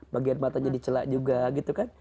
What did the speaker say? bagian matanya dicelak juga gitu kan